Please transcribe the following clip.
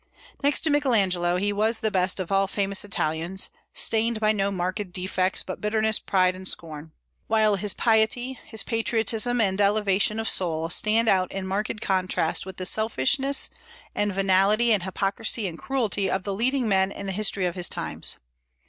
Next to Michael Angelo he was the best of all famous Italians, stained by no marked defects but bitterness, pride, and scorn; while his piety, his patriotism, and elevation of soul stand out in marked contrast with the selfishness and venality and hypocrisy and cruelty of the leading men in the history of his times.